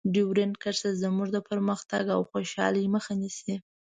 ډیورنډ کرښه زموږ د پرمختګ او خوشحالۍ مخه نیسي.